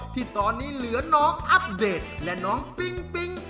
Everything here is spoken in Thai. ที่ตอนนี้เหลือน้องอัปเดตและน้องปิ๊งปิ๊ง